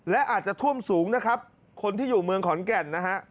และอาจจะท่วมสูงนะครับคนที่อยู่เมืองขอนแก่นนะฮะ